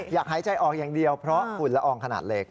อยากหายใจออกอย่างเดียวเพราะฝุ่นละอองขนาดเล็ก